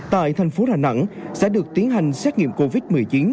tại thành phố đà nẵng sẽ được tiến hành xét nghiệm covid một mươi chín